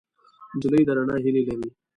نجلۍ د رڼا هیلې لري.